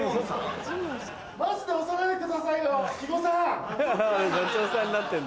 マジで押さないでくださいよ肥後さん。